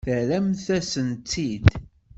Terram-asent-tt-id.